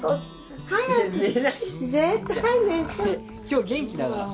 今日元気だから。